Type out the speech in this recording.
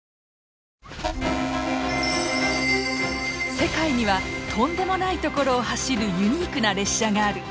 世界にはとんでもない所を走るユニークな列車がある！